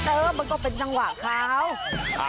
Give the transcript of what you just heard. เออมันก็เป็นจังหวะเขา